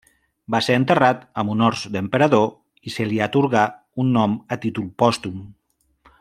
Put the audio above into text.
Va ser enterrat amb honors d'emperador i se li atorgà un nom a títol pòstum.